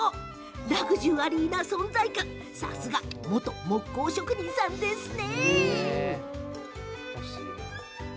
ラグジュアリーな存在感さすが元木工職人さんですね。